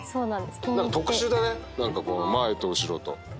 特殊だね何か前と後ろと。